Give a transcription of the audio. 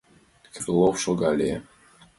Крылов шогале.